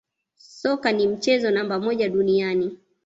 Soka ni mchezo namba moja duniani